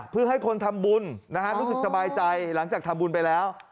เพื่อให้คนทำบุญนะฮะรู้สึกสบายใจหลังจากทำบุญไปแล้ว